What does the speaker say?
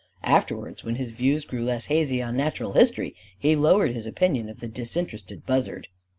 Afterwards, when his views grew less hazy on natural history, he lowered his opinion of the disinterested buzzard.